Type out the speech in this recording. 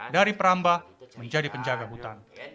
dari perambah menjadi penjaga hutan